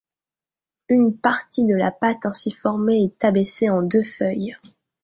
Une partie de la pâte ainsi formée est abaissée en deux feuilles.